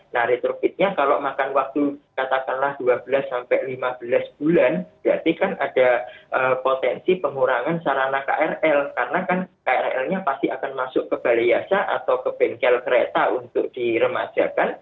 nah retropitnya kalau makan waktu katakanlah dua belas sampai lima belas bulan berarti kan ada potensi pengurangan sarana krl karena kan krl nya pasti akan masuk ke balai yasa atau ke bengkel kereta untuk diremajakan